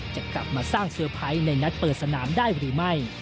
จะกลับมาสร้างเซอร์ไพรส์ในนัดเปิดสนามได้หรือไม่